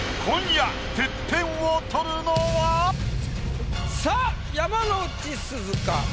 今夜てっぺんを取るのは⁉さあ山之内すずか？